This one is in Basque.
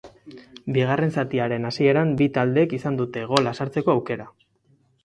Bigarren zatiaren hasieran bi taldeek izan dute gola sartzeko aukera.